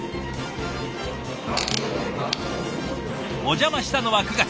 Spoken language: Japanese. お邪魔したのは９月。